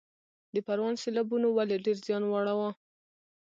د پروان سیلابونو ولې ډیر زیان واړوه؟